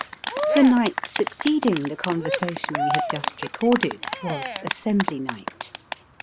The night succeeding the conversation we have just recorded, was " assembly night."